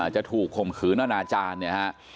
จะถูกข่มขึณอาหารจานเนี้ยฮะ